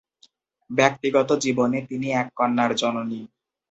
ব্যক্তিগত জীবনে তিনি এক কন্যার জননী।